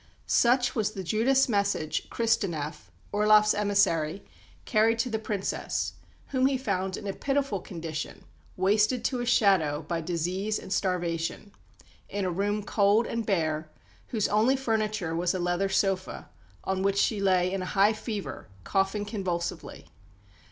Such was the "Judas" message Kristenef, Orloff's emissary, carried to the Princess, whom he found in a pitiful condition, wasted to a shadow by disease and starvation "in a room cold and bare, whose only furniture was a leather sofa, on which she lay in a high fever, coughing convulsively."